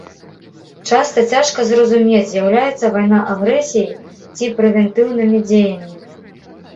Часта цяжка зразумець, з'яўляецца вайна агрэсіяй ці прэвентыўнымі дзеяннямі.